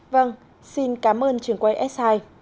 vâng xin cảm ơn trường quay s hai